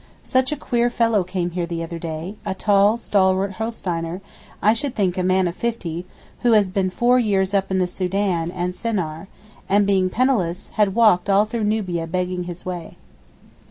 Phillips, about 1851] Such a queer fellow came here the other day—a tall stalwart Holsteiner, I should think a man of fifty, who has been four years up in the Soudan and Sennaar, and being penniless, had walked all through Nubia begging his way.